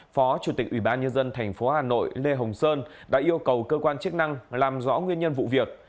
phó chủ tịch ủy ban nhân dân tp hà nội lê hồng sơn đã yêu cầu cơ quan chức năng làm rõ nguyên nhân vụ việc